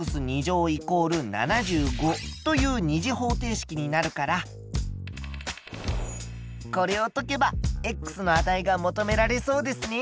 ３＝７５という二次方程式になるからこれを解けばの値が求められそうですね。